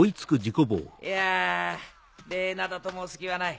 いや礼などと申す気はない。